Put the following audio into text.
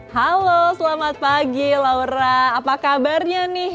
halo selamat pagi laura apa kabarnya nih